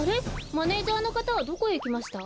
マネージャーのかたはどこへいきました？